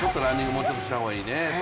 もうちょっとした方がいいね。